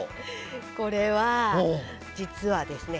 これは実はですね